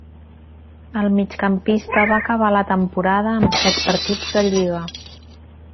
El migcampista va acabar la temporada amb set partits de lliga.